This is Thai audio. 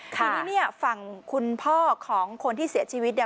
ทีนี้เนี่ยฝั่งคุณพ่อของคนที่เสียชีวิตเนี่ย